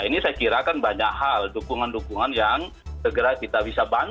ini saya kira kan banyak hal dukungan dukungan yang segera kita bisa bangun